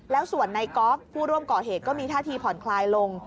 แล้วส่วนในกอล์ฟผู้ร่วมก่อเหตุก็มีท่าทีผ่อนคลายลง